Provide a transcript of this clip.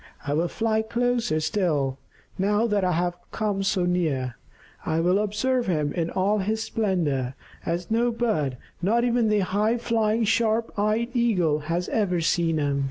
I will fly closer still, now that I have come so near. I will observe him in all his splendor, as no other bird, not even the high flying, sharp eyed Eagle, has ever seen him."